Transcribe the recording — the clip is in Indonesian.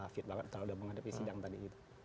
fit banget kalau sudah menghadapi sidang tadi gitu